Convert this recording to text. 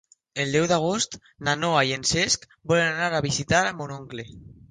El deu d'agost na Noa i en Cesc volen anar a visitar mon oncle.